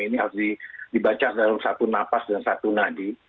ini harus dibaca dalam satu nafas dan satu nadi